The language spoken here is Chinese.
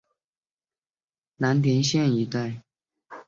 辖境相当今陕西省蓝田县一带。